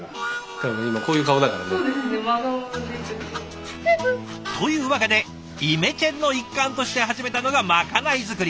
多分今こういう顔だからね。というわけでイメチェンの一環として始めたのがまかない作り。